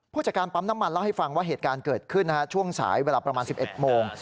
จากการปั๊มน้ำมันเล่าให้ฟังว่าเหตุการณ์เกิดขึ้นช่วงสายเวลาประมาณ๑๑โมง